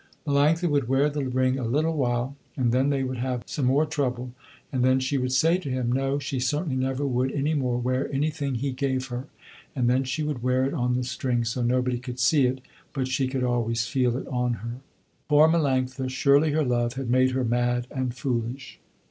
Melanctha would wear the ring a little while, and then they would have some more trouble, and then she would say to him, no she certainly never would any more wear anything he gave her, and then she would wear it on the string so nobody could see it but she could always feel it on her. Poor Melanctha, surely her love had made her mad and foolish.